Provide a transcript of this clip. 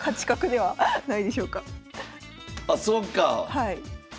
はい。